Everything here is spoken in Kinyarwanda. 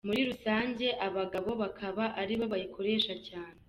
Muri rusange abagabo bakaba ari bo bayikoresha cyane.